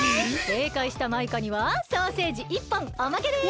せいかいしたマイカにはソーセージ１ぽんおまけです！